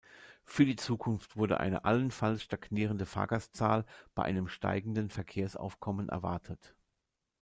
Für die Zukunft wurde eine allenfalls stagnierende Fahrgastzahl bei einem steigenden Verkehrsaufkommen erwartet.